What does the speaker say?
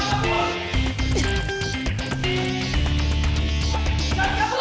tidak ada apa apa